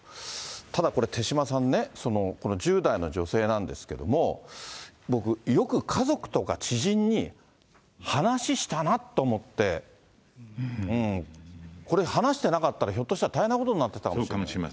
ただこれ、手嶋さんね、この１０代の女性なんですけども、僕、よく家族とか知人に話したなと思って、これ、話してなかったら、ひょっとしたら、大変なことになってたかもしれない。